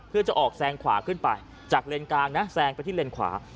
เพื่อจะออกแซงขวาขึ้นไปจากเลนกลางนะแซงไปที่เลนขวา